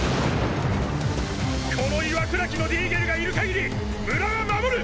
この岩砕きのディーゲルがいるかぎり村は守る！